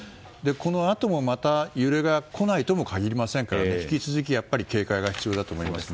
このあともまた揺れが来ないとも限りませんから引き続き警戒が必要だと思います。